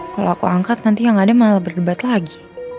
kalau aku angkat nanti yang ada malah berdebat lagi